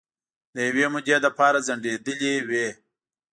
د یوې مودې لپاره ځنډیدېلې وې